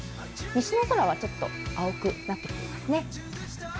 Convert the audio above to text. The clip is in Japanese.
西の空はちょっと青くなってきていますね。